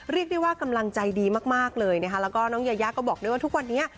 เรียกได้ว่ากำลังใจดีมากเลยนะคะแล้วก็น้องยายาก็บอกด้วยว่าทุกวันนี้